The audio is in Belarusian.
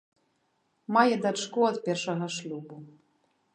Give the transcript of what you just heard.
Мае дачку ад першага шлюбу.